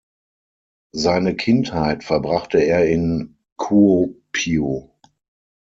Seine Kindheit verbrachte er in Kuopio.